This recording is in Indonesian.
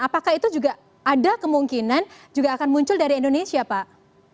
apakah itu juga ada kemungkinan juga akan muncul dari indonesia pak